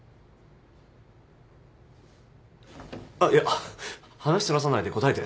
あっいや話そらさないで答えて。